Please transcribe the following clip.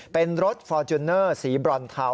เป็นรถฟอร์จูเนอร์สีบรอนเทา